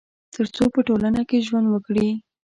تر څو په ټولنه کي ژوند وکړي